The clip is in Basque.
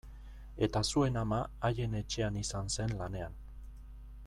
Eta zuen ama haien etxean izan zen lanean.